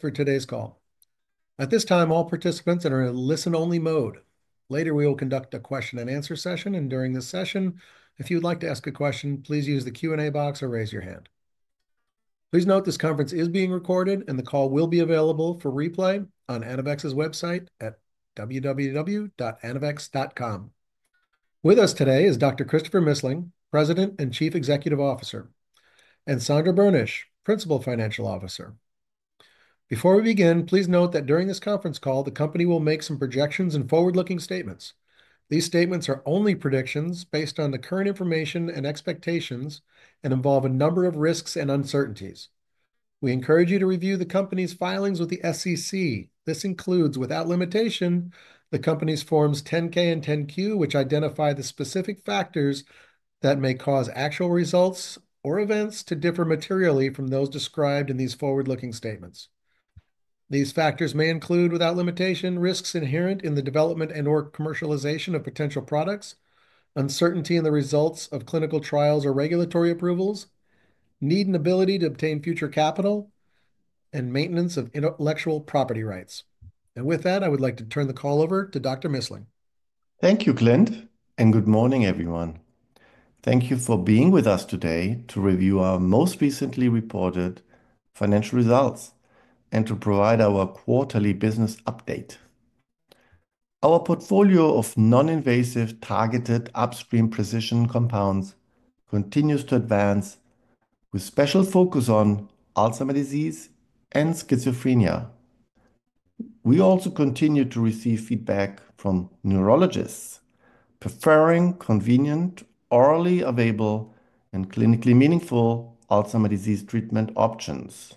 For today's call. At this time, all participants are in listen-only mode. Later, we will conduct a question-and-answer session, and during this session, if you'd like to ask a question, please use the Q&A box or raise your hand. Please note this conference is being recorded, and the call will be available for replay on Anavex's website at www.anavex.com. With us today is Dr. Christopher Missling, President and Chief Executive Officer, and Sandra Boenisch, Principal Financial Officer. Before we begin, please note that during this conference call, the company will make some projections and forward-looking statements. These statements are only predictions based on the current information and expectations and involve a number of risks and uncertainties. We encourage you to review the company's filings with the SEC. This includes, without limitation, the company's Forms 10-K and 10-Q, which identify the specific factors that may cause actual results or events to differ materially from those described in these forward-looking statements. These factors may include, without limitation, risks inherent in the development and/or commercialization of potential products, uncertainty in the results of clinical trials or regulatory approvals, need and ability to obtain future capital, and maintenance of intellectual property rights. I would like to turn the call over to Dr. Missling. Thank you, Clint, and good morning, everyone. Thank you for being with us today to review our most recently reported financial results and to provide our quarterly business update. Our portfolio of non-invasive targeted upstream precision compounds continues to advance with special focus on Alzheimer's disease and schizophrenia. We also continue to receive feedback from neurologists preferring convenient, orally available, and clinically meaningful Alzheimer's disease treatment options,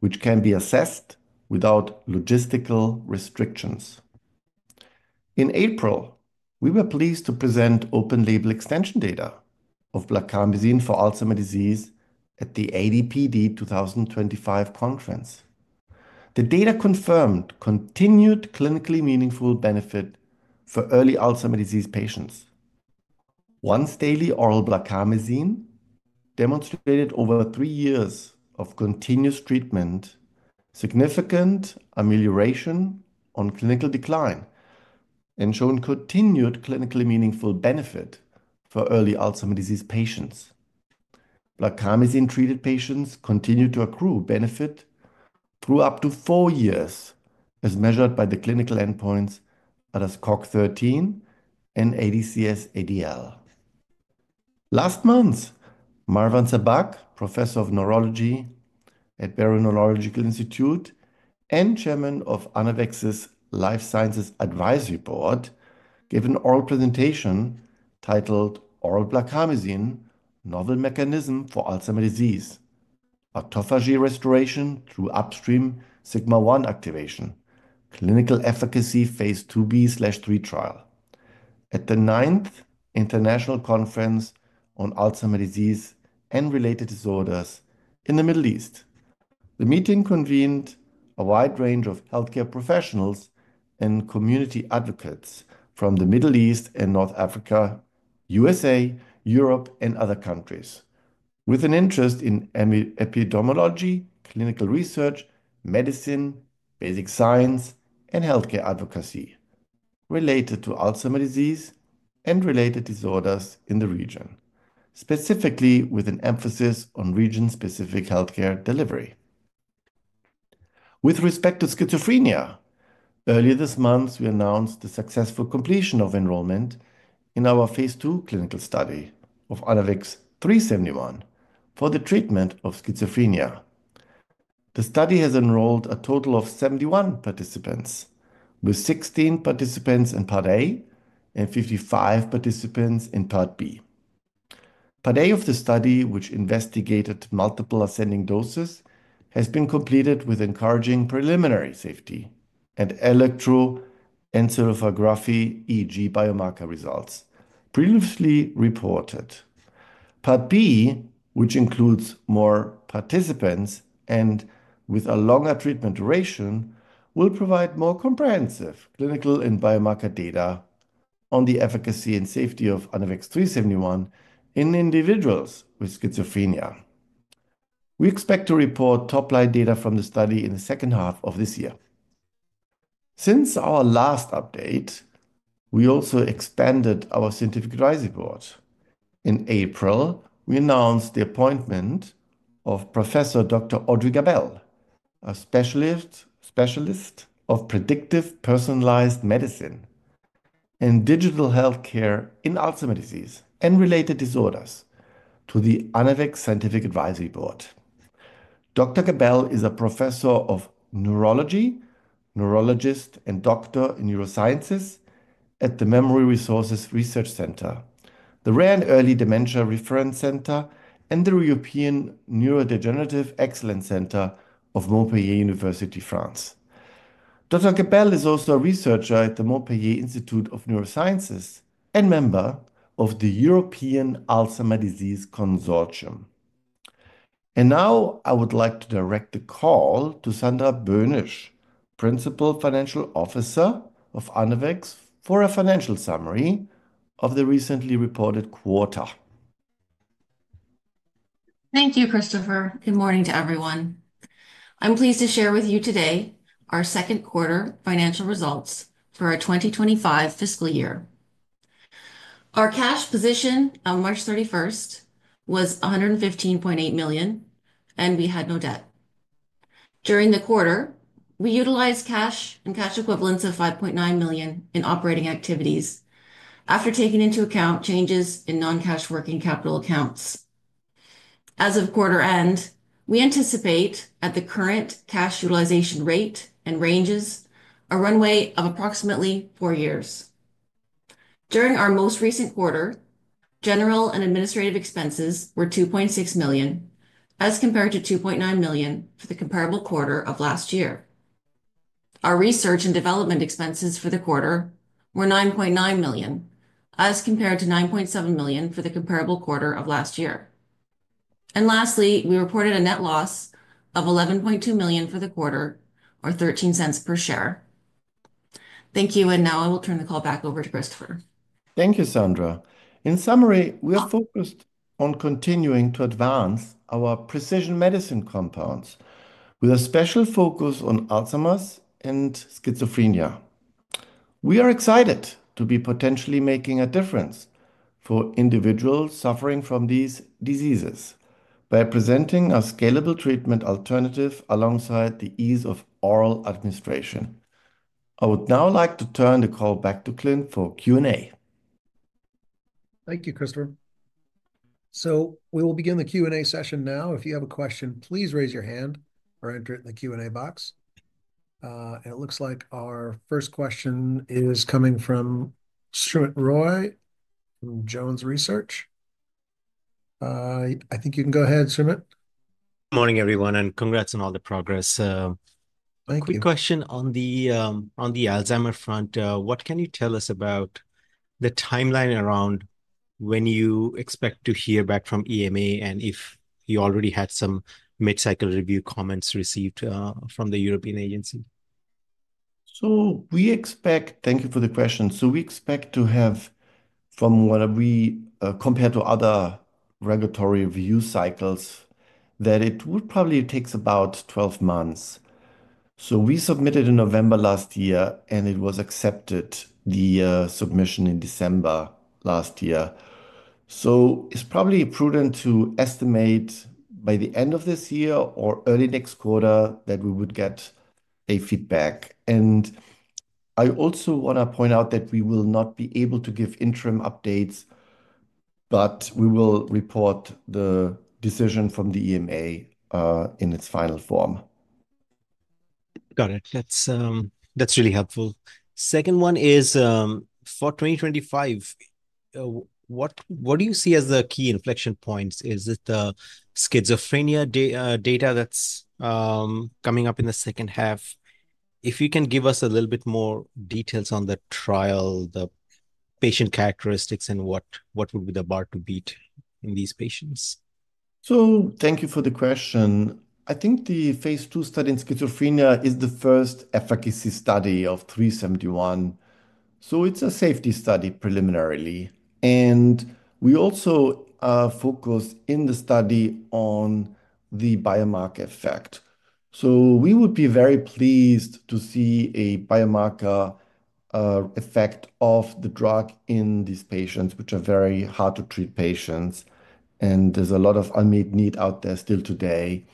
which can be assessed without logistical restrictions. In April, we were pleased to present open-label extension data of blarcamesine for Alzheimer's disease at the ADPD 2025 conference. The data confirmed continued clinically meaningful benefit for early Alzheimer's disease patients. Once-daily oral blarcamesine demonstrated over three years of continuous treatment significant amelioration on clinical decline and showed continued clinically meaningful benefit for early Alzheimer's disease patients. Blarcamesine-treated patients continued to accrue benefit through up to four years, as measured by the clinical endpoints at CDR-SB and ADCS-ADL. Last month, Marwan Sabbagh, Professor of Neurology at Barrow Neurological Institute and Chairman of Anavex Life Sciences Advisory Board, gave an oral presentation titled "Oral Blarcamesine: Novel Mechanism for Alzheimer's Disease: Autophagy Restoration through Upstream Sigma-1 Activation: Clinical Efficacy Phase 2B/3 Trial" at the 9th International Conference on Alzheimer's Disease and Related Disorders in the Middle East. The meeting convened a wide range of healthcare professionals and community advocates from the Middle East and North Africa, USA, Europe, and other countries, with an interest in epidemiology, clinical research, medicine, basic science, and healthcare advocacy related to Alzheimer's disease and related disorders in the region, specifically with an emphasis on region-specific healthcare delivery. With respect to schizophrenia, earlier this month, we announced the successful completion of enrollment in our phase 2 clinical study of Anavex 371 for the treatment of schizophrenia. The study has enrolled a total of 71 participants, with 16 participants in Part A and 55 participants in Part B. Part A of the study, which investigated multiple ascending doses, has been completed with encouraging preliminary safety and electroencephalography, e.g., biomarker results, previously reported. Part B, which includes more participants and with a longer treatment duration, will provide more comprehensive clinical and biomarker data on the efficacy and safety of Anavex 371 in individuals with schizophrenia. We expect to report top-line data from the study in the second half of this year. Since our last update, we also expanded our scientific advisory board. In April, we announced the appointment of Professor Dr. Audrey Gabell, a specialist of predictive personalized medicine and digital healthcare in Alzheimer's disease and related disorders, to the Anavex Scientific Advisory Board. Dr. Gabell is a Professor of Neurology, neurologist, and Doctor in Neurosciences at the Memory Resources Research Center, the Rare and Early Dementia Reference Center, and the European Neurodegenerative Excellence Center of Montpellier University, France. Dr. Gabell is also a researcher at the Montpellier Institute of Neurosciences and member of the European Alzheimer's Disease Consortium. I would like to direct the call to Sandra Boenisch, Principal Financial Officer of Anavex, for a financial summary of the recently reported quarter. Thank you, Christopher. Good morning to everyone. I'm pleased to share with you today our second quarter financial results for our 2025 fiscal year. Our cash position on March 31 was $115.8 million, and we had no debt. During the quarter, we utilized cash and cash equivalents of $5.9 million in operating activities after taking into account changes in non-cash working capital accounts. As of quarter end, we anticipate at the current cash utilization rate and ranges a runway of approximately four years. During our most recent quarter, general and administrative expenses were $2.6 million as compared to $2.9 million for the comparable quarter of last year. Our research and development expenses for the quarter were $9.9 million as compared to $9.7 million for the comparable quarter of last year. Lastly, we reported a net loss of $11.2 million for the quarter, or $0.13 per share. Thank you, and now I will turn the call back over to Christopher. Thank you, Sandra. In summary, we are focused on continuing to advance our precision medicine compounds with a special focus on Alzheimer's and schizophrenia. We are excited to be potentially making a difference for individuals suffering from these diseases by presenting a scalable treatment alternative alongside the ease of oral administration. I would now like to turn the call back to Clint for Q&A. Thank you, Christopher. We will begin the Q&A session now. If you have a question, please raise your hand or enter it in the Q&A box. It looks like our first question is coming from Soumit Roy from Jones Research. I think you can go ahead, Roy. Morning, everyone, and congrats on all the progress. Thank you. Quick question on the Alzheimer front. What can you tell us about the timeline around when you expect to hear back from EMA and if you already had some mid-cycle review comments received from the European agency? Thank you for the question. We expect to have, from what we compare to other regulatory review cycles, that it would probably take about 12 months. We submitted in November last year, and it was accepted, the submission in December last year. It is probably prudent to estimate by the end of this year or early next quarter that we would get a feedback. I also want to point out that we will not be able to give interim updates, but we will report the decision from the EMA in its final form. Got it. That's really helpful. Second one is for 2025. What do you see as the key inflection points? Is it the schizophrenia data that's coming up in the second half? If you can give us a little bit more details on the trial, the patient characteristics, and what would be the bar to beat in these patients? Thank you for the question. I think the phase 2 study in schizophrenia is the first efficacy study of 371. It is a safety study preliminarily. We also focus in the study on the biomarker effect. We would be very pleased to see a biomarker effect of the drug in these patients, which are very hard-to-treat patients. There is a lot of unmet need out there still today,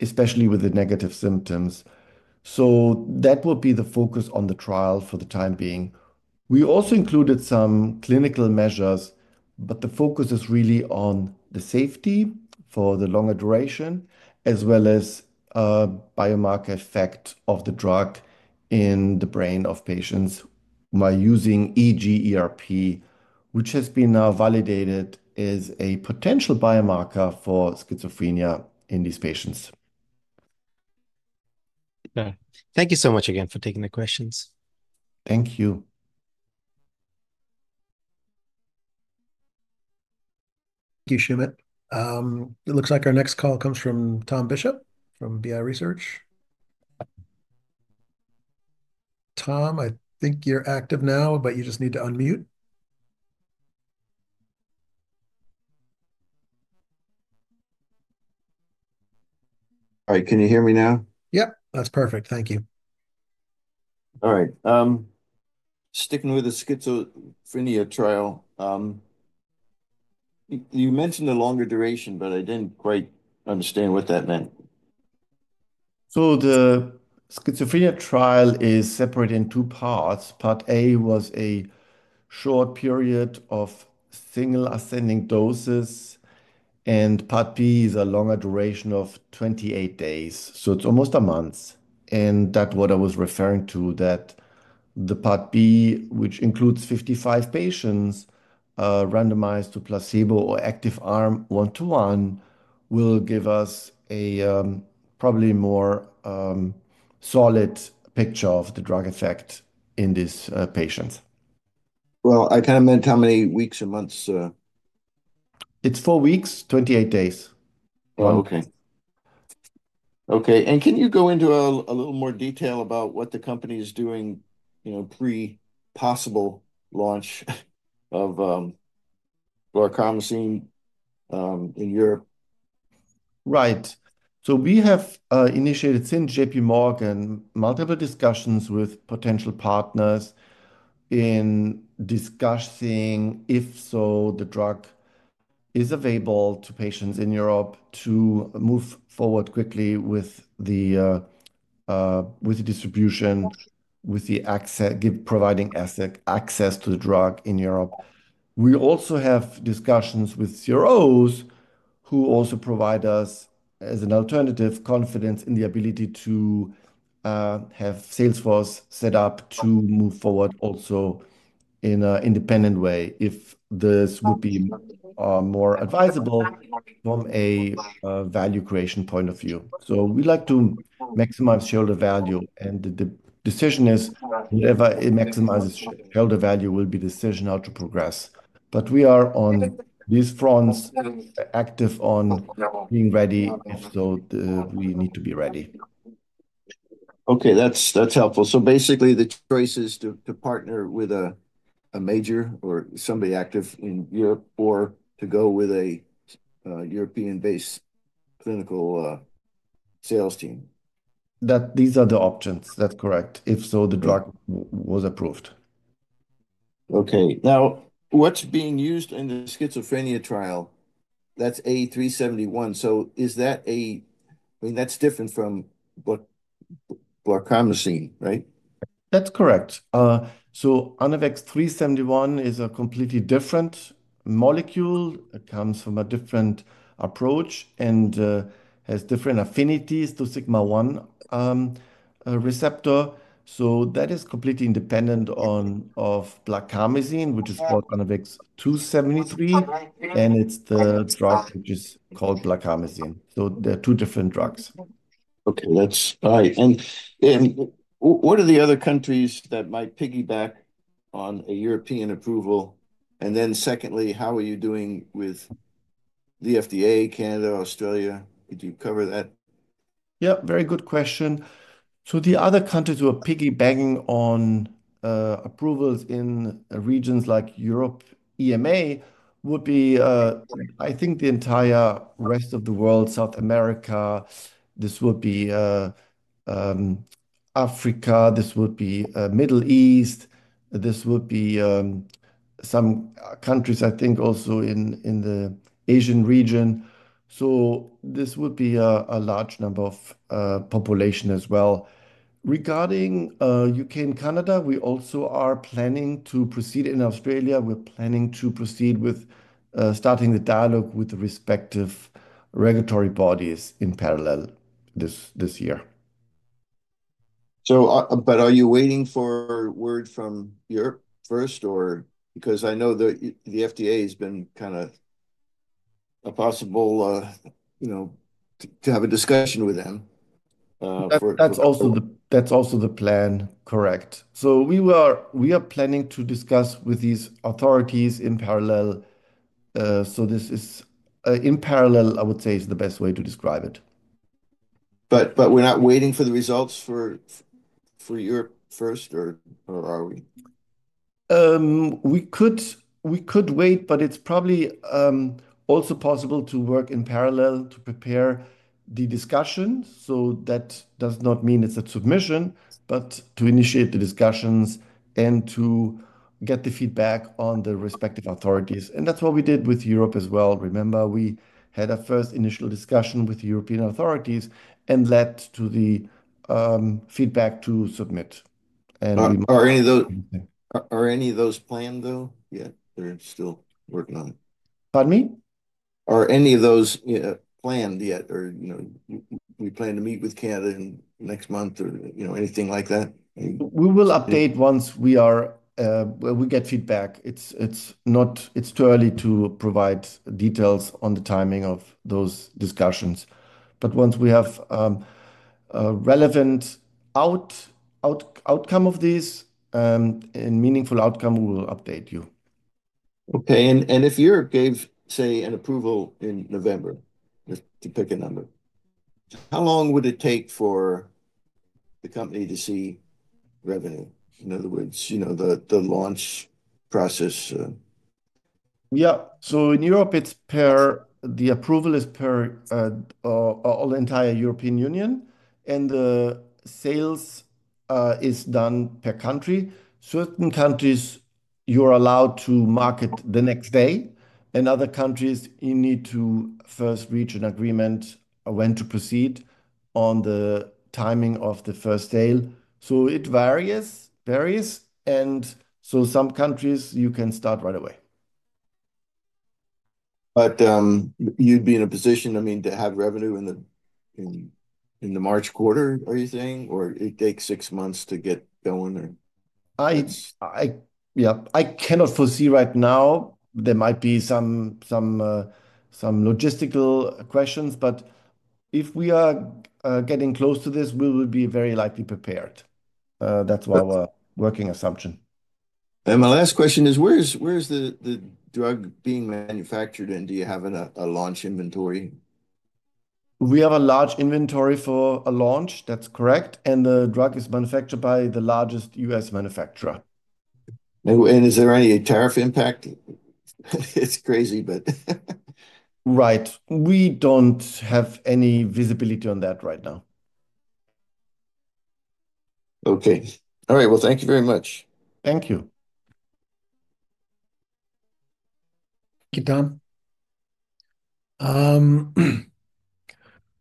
especially with the negative symptoms. That will be the focus of the trial for the time being. We also included some clinical measures, but the focus is really on the safety for the longer duration, as well as the biomarker effect of the drug in the brain of patients who are using EEG, which has been now validated as a potential biomarker for schizophrenia in these patients. Thank you so much again for taking the questions. Thank you. Thank you, Soumit. It looks like our next call comes from Tom Bishop from BI Research. Tom, I think you're active now, but you just need to unmute. All right. Can you hear me now? Yep. That's perfect. Thank you. All right. Sticking with the schizophrenia trial, you mentioned a longer duration, but I didn't quite understand what that meant. The schizophrenia trial is separated in two parts. Part A was a short period of single ascending doses, and Part B is a longer duration of 28 days. It is almost a month. That is what I was referring to, that the Part B, which includes 55 patients randomized to placebo or active arm one-to-one, will give us a probably more solid picture of the drug effect in these patients. I kind of meant how many weeks or months. It's four weeks, 28 days. Oh, okay. Okay. Can you go into a little more detail about what the company is doing pre-possible launch of blarcamesine in Europe? Right. We have initiated, since JP Morgan, multiple discussions with potential partners in discussing if so, the drug is available to patients in Europe to move forward quickly with the distribution, with the providing access to the drug in Europe. We also have discussions with CROs, who also provide us, as an alternative, confidence in the ability to have Salesforce set up to move forward also in an independent way if this would be more advisable from a value creation point of view. We like to maximize shareholder value. The decision is, whatever maximizes shareholder value will be the decision how to progress. We are on these fronts active on being ready if so, we need to be ready. Okay. That's helpful. So basically, the choice is to partner with a major or somebody active in Europe or to go with a European-based clinical sales team. These are the options. That's correct. If so, the drug was approved. Okay. Now, what's being used in the schizophrenia trial? That's A371. So is that a—I mean, that's different from blarcamesine, right? That's correct. Anavex 371 is a completely different molecule. It comes from a different approach and has different affinities to Sigma-1 receptor. That is completely independent of blarcamesine, which is called Anavex 2-73, and it's the drug which is called blarcamesine. There are two different drugs. Okay. That's right. What are the other countries that might piggyback on a European approval? Secondly, how are you doing with the FDA, Canada, Australia? Could you cover that? Yep. Very good question. The other countries who are piggybacking on approvals in regions like Europe, EMA would be, I think, the entire rest of the world: South America. This would be Africa. This would be the Middle East. This would be some countries, I think, also in the Asian region. This would be a large number of population as well. Regarding the U.K. and Canada, we also are planning to proceed in Australia. We're planning to proceed with starting the dialogue with the respective regulatory bodies in parallel this year. Are you waiting for word from Europe first? Because I know the FDA has been kind of a possible—to have a discussion with them. That's also the plan, correct. We are planning to discuss with these authorities in parallel. This is in parallel, I would say, is the best way to describe it. We're not waiting for the results for Europe first, or are we? We could wait, but it's probably also possible to work in parallel to prepare the discussions. That does not mean it's a submission, but to initiate the discussions and to get the feedback on the respective authorities. That's what we did with Europe as well. Remember, we had our first initial discussion with European authorities and led to the feedback to submit. Are any of those planned, though, yet? Or still working on it? Pardon me? Are any of those planned yet? Or we plan to meet with Canada next month or anything like that? We will update once we get feedback. It is too early to provide details on the timing of those discussions. Once we have a relevant outcome of these and meaningful outcome, we will update you. Okay. If Europe gave, say, an approval in November, just to pick a number, how long would it take for the company to see revenue? In other words, the launch process. Yeah. In Europe, the approval is per all the entire European Union, and the sales is done per country. Certain countries, you're allowed to market the next day. In other countries, you need to first reach an agreement on when to proceed on the timing of the first sale. It varies. Some countries, you can start right away. You'd be in a position, I mean, to have revenue in the March quarter, are you saying? Or it takes six months to get going? Yep. I cannot foresee right now. There might be some logistical questions. If we are getting close to this, we will be very likely prepared. That's our working assumption. My last question is, where is the drug being manufactured, and do you have a launch inventory? We have a large inventory for a launch. That is correct. The drug is manufactured by the largest US manufacturer. Is there any tariff impact? It's crazy, but. Right. We don't have any visibility on that right now. Okay. All right. Thank you very much. Thank you. Thank you, Tom.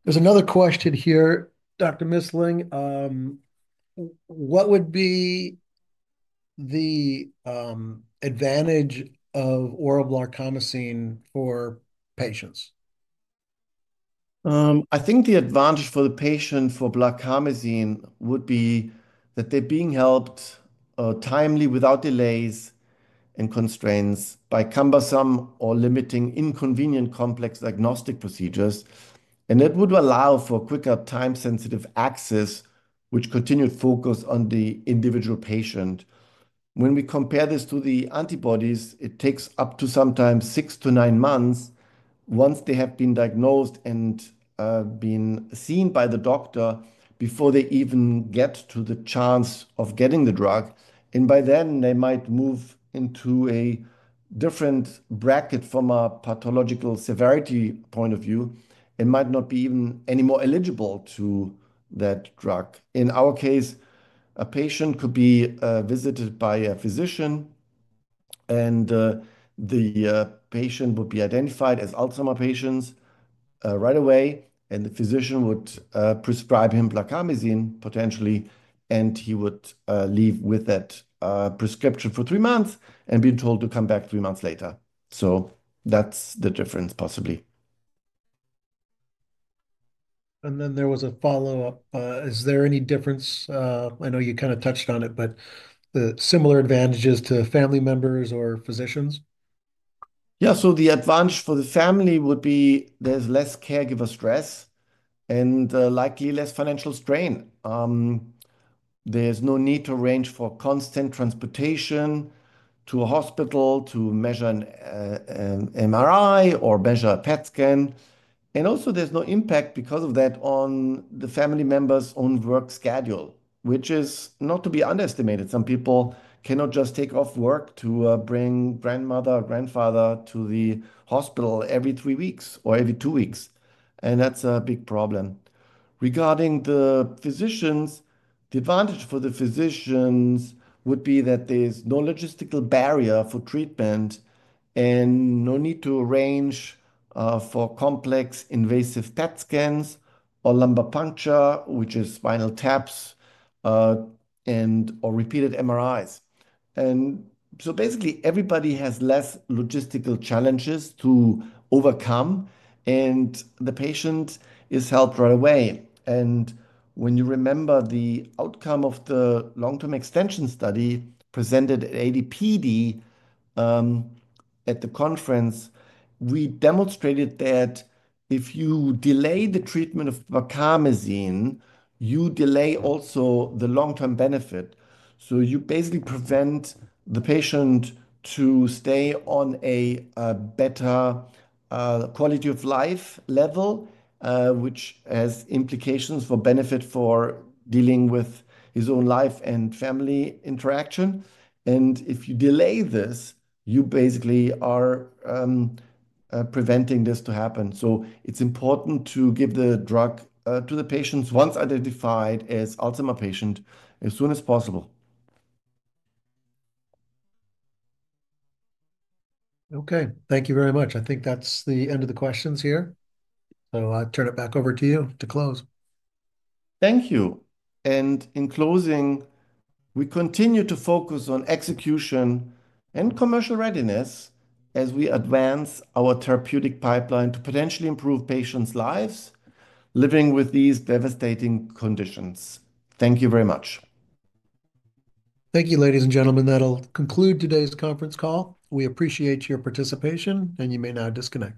There's another question here, Dr. Missling. What would be the advantage of oral blarcamesine for patients? I think the advantage for the patient for blarcamesine would be that they're being helped timely without delays and constraints by cumbersome or limiting inconvenient complex diagnostic procedures. It would allow for quicker time-sensitive access, which continued focus on the individual patient. When we compare this to the antibodies, it takes up to sometimes six to nine months once they have been diagnosed and been seen by the doctor before they even get to the chance of getting the drug. By then, they might move into a different bracket from a pathological severity point of view. It might not be even any more eligible to that drug. In our case, a patient could be visited by a physician, and the patient would be identified as Alzheimer's patients right away, and the physician would prescribe him blarcamesine potentially, and he would leave with that prescription for three months and be told to come back three months later. So that's the difference, possibly. There was a follow-up. Is there any difference? I know you kind of touched on it, but similar advantages to family members or physicians? Yeah. So the advantage for the family would be there's less caregiver stress and likely less financial strain. There's no need to arrange for constant transportation to a hospital to measure an MRI or measure a PET scan. Also, there's no impact because of that on the family member's own work schedule, which is not to be underestimated. Some people cannot just take off work to bring grandmother or grandfather to the hospital every three weeks or every two weeks. That's a big problem. Regarding the physicians, the advantage for the physicians would be that there's no logistical barrier for treatment and no need to arrange for complex invasive PET scans or lumbar puncture, which is spinal taps and/or repeated MRIs. Basically, everybody has less logistical challenges to overcome, and the patient is helped right away. When you remember the outcome of the long-term extension study presented at ADPD at the conference, we demonstrated that if you delay the treatment of blarcamesine, you delay also the long-term benefit. You basically prevent the patient from staying on a better quality of life level, which has implications for benefit for dealing with his own life and family interaction. If you delay this, you basically are preventing this to happen. It is important to give the drug to the patients once identified as Alzheimer's patient as soon as possible. Okay. Thank you very much. I think that's the end of the questions here. So I'll turn it back over to you to close. Thank you. In closing, we continue to focus on execution and commercial readiness as we advance our therapeutic pipeline to potentially improve patients' lives living with these devastating conditions. Thank you very much. Thank you, ladies and gentlemen. That'll conclude today's conference call. We appreciate your participation, and you may now disconnect.